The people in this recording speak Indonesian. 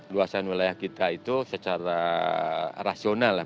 luasan wilayah kita itu secara rasional lah